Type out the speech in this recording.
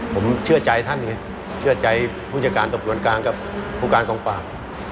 ผมเชื่อใจท่านไงเชื่อใจผู้จัดการตำรวจกลางกับผู้การกองปราบ